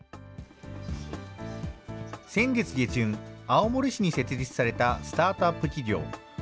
青森市に設立されたスタートアップ企業。